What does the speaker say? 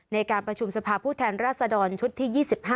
ในการประชุมสภาพผู้แทนราษฎรชุดที่๒๕